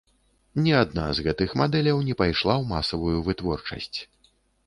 Ні адна з гэтых мадэляў не пайшла ў масавую вытворчасць.